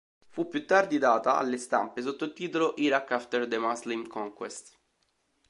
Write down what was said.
Fu più tardi data alle stampe sotto il titolo "Iraq After the Muslim Conquest".